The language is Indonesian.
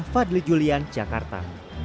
fadli julian jakarta